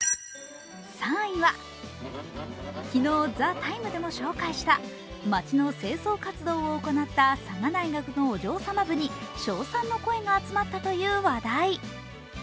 ３位は、昨日、「ＴＨＥＴＩＭＥ，」でも紹介した町の清掃活動を行った佐賀大学のお嬢様部に称賛の声が集まったという話題。